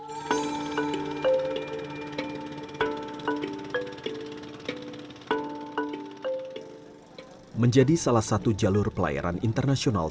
selayar juga menjadi jalur perlintasan pelayaran internasional